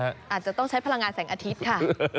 อาจจะต้องใช้พลังงานแสงอาทิตย์ค่ะ